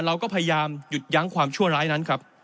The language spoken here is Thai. เราก็พยายามหยุดยั้งความชั่วร้ายนั้นครับ